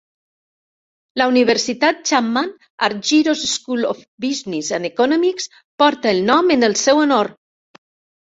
La Universitat Chapman, Argyros School of Business and Economics porta el nom en el seu honor.